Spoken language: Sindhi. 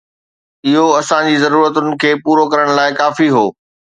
اهو اسان جي ضرورتن کي پورو ڪرڻ لاء ڪافي هو